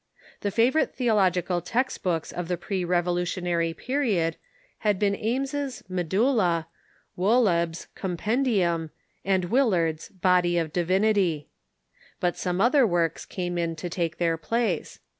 The favorite theo logical text books of the pre Revolutionary period had been Ames's "Medulla," Wolleb's "Compendium," and Willard's " Body of Divinity." But some other works came in to take their place.